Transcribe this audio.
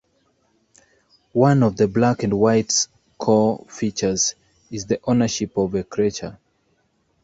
One of "Black and White"s core features is the ownership of a creature.